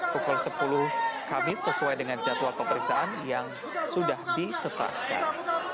pukul sepuluh kamis sesuai dengan jadwal pemeriksaan yang sudah ditetapkan